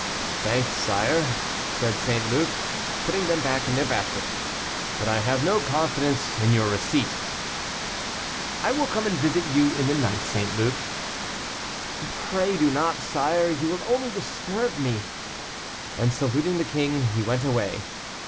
"Thanks, sire," said St. Luc, putting them back in their basket, "but I have no confidence in your receipt." "I will come and visit you in the night, St. Luc." "Pray do not, sire, you will only disturb me," and saluting the king, he went away.